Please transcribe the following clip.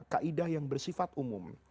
kaidah yang bersifat umum